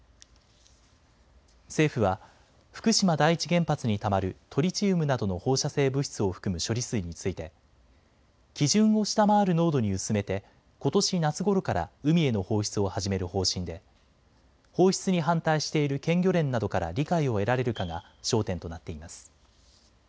政府は福島第一原発にたまるトリチウムなどの放射性物質を含む処理水について基準を下回る濃度に薄めてことし夏ごろから海への放出を始める方針で放出に反対している県漁連などから理解を得られるかが焦点となっています。